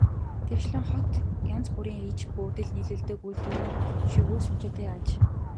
Тэрчлэн хот янз бүрийн иж бүрдэл нийлүүлдэг үйлдвэрүүдийн шигүү сүлжээтэй аж.